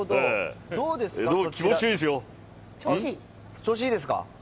調子いいですか？